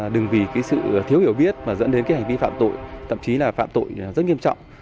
đừng vì cái sự thiếu hiểu biết mà dẫn đến cái hành vi phạm tội thậm chí là phạm tội rất nghiêm trọng